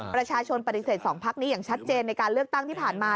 ประชาชนปฏิเสธ๒พักนี้อย่างชัดเจนในการเลือกตั้งที่ผ่านมา